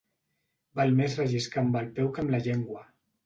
Val més relliscar amb el peu que amb la llengua.